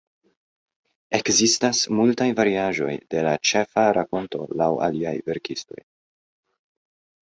Ekzistas multaj variaĵoj de la ĉefa rakonto laŭ aliaj verkistoj.